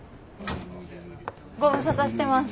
ご無沙汰してます。